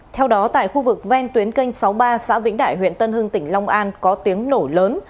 theo đó tại khu vực ven tuyến kênh sáu mươi ba xã vĩnh đại huyện tân hưng tỉnh long an có tiếng nổ lớn